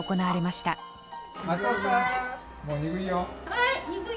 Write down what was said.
はい！